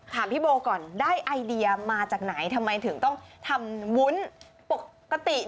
ถามพี่โบก่อนได้ไอเดียมาจากไหนทำไมถึงต้องทำวุ้นปกติ